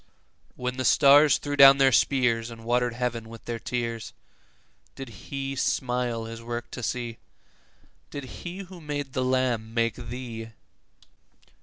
When the stars threw down their spears, And water'd heaven with their tears, Did He smile His work to see? Did He who made the lamb make thee?